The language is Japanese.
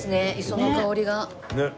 磯の香りが。ねえ。